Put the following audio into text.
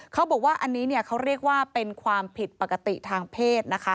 เขาบอกว่าอันนี้เขาเรียกว่าเป็นความผิดปกติทางเพศนะคะ